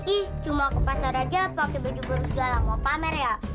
ih cuma ke pasar aja pakai baju belum segala mau pamer ya